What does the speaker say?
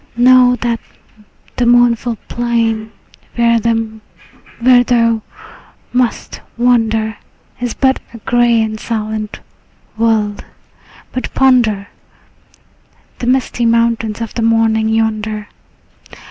Know that the mournful plain where thou must wander Is but a gray and silent world, but ponder The misty mountains of the morning yonder.